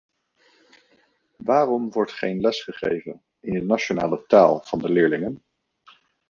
Waarom wordt geen les gegeven in de nationale taal van de leerlingen?